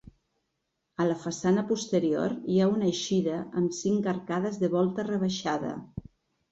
A la façana posterior hi ha una eixida amb cinc arcades de volta rebaixada.